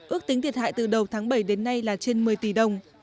ước tính thiệt hại từ đầu tháng bảy đến nay là trên một mươi tỷ đồng